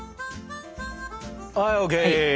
はいＯＫ。